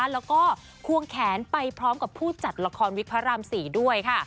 แล้วก็ควงแขนไปพร้อมกับผู้จัดละครวิกพระราม๔ด้วยค่ะ